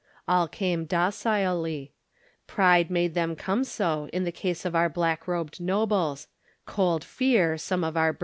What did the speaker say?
All came docilely. Pride made them come so in the case of our black robed nobles; cold fear, some of our burghers.